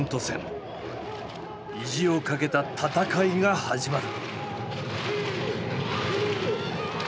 意地をかけた戦いが始まる。